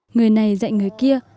người này dạy người kia